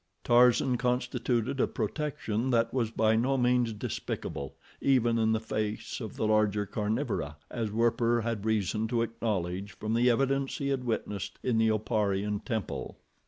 Tarzan constituted a protection that was by no means despicable, even in the face of the larger carnivora, as Werper had reason to acknowledge from the evidence he had witnessed in the Oparian temple.